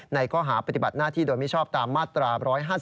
ในข้อหาปฏิบัติหน้าที่โดยมิชอบตามมาตรา๑๕๒